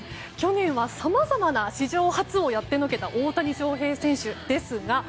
去年はさまざまな史上初をやってのけた大谷翔平選手ですが